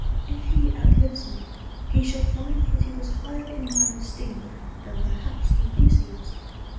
If he outlives me, he shall find that he was higher in my Esteem than perhaps he thinks he is.